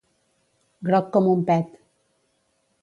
Groc com un pet.